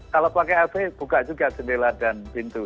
kalau pakai ac buka juga sendela dan pintu